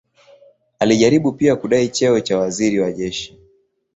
Alijaribu pia kudai cheo cha waziri wa jeshi.